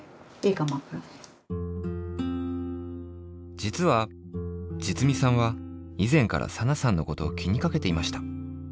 じつはじつみさんはいぜんからサナさんのことを気にかけていました。